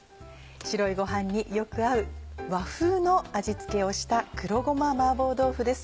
白いご飯によく合う和風の味付けをした「黒ごま麻婆豆腐」です。